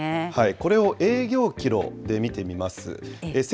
これを営業キロで見てみます。